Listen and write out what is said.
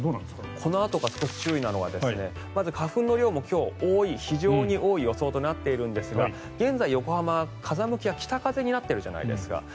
このあとが少し注意なのはまず花粉の量も今日は非常に多い予想となっているんですが現在、横浜は風向きは北風になっているじゃないですか。